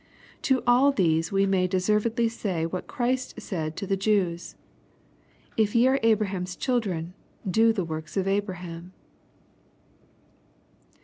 To all these we may deaenredly say what Christ said to the Jews, ' If ye are Abraham's children, do the works of Abraham.